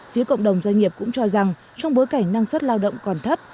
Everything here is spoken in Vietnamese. phía cộng đồng doanh nghiệp cũng cho rằng trong bối cảnh năng suất lao động còn thấp